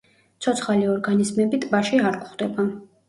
ცოცხალი ორგანიზმები ტბაში არ გვხვდება.